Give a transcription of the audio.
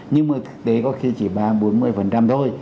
nhưng mà thực tế có khi chỉ ba bốn mươi thôi